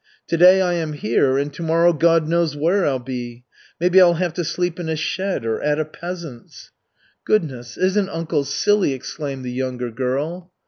Today I am here, and tomorrow God knows where I'll be. Maybe I'll have to sleep in a shed or at a peasant's." "Goodness, isn't uncle silly!" exclaimed the younger girl.